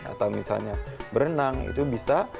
atau misalnya berenang itu bisa